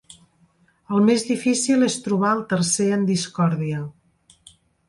El més difícil és trobar el tercer en discòrdia.